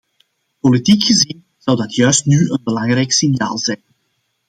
Politiek gezien zou dat juist nu een belangrijk signaal zijn.